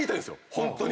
ホントに！